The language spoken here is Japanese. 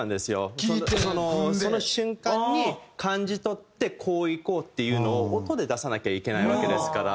その瞬間に感じ取ってこういこうっていうのを音で出さなきゃいけないわけですから。